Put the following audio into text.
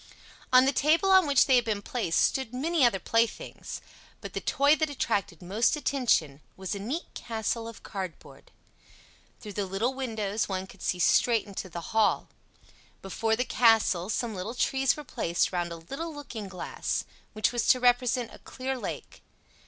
On the table on which they had been placed stood many other playthings, but the toy that attracted most attention was a neat castle of cardboard. Through the little windows one could see straight into the hall. Before the castle some little trees were placed round a little looking glass, which was to represent a clear lake.